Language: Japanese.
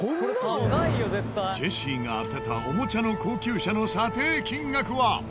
ジェシーが当てたおもちゃの高級車の査定金額は。